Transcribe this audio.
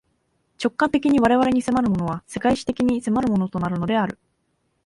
直観的に我々に迫るものは、世界史的に迫るものとなるのである。